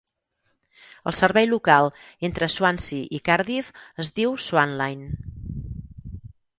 El servei local entre Swansea i Cardiff es diu Swanline.